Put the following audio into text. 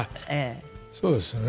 そうですよね。